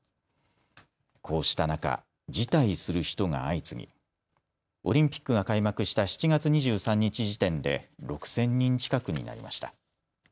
こうした中、辞退する人が相次ぎオリンピックが開幕した７月２３日時点で６０００人近くになりました。